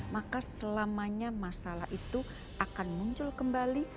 maka selamanya masalah itu akan muncul kembali